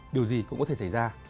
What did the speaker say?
điều gì cũng có thể xảy ra